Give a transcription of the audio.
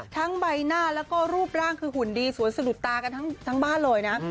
ใบหน้าแล้วก็รูปร่างคือหุ่นดีสวยสะดุดตากันทั้งบ้านเลยนะ